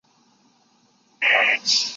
加封太子少保。